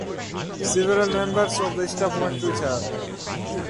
Several members of the staff went with her.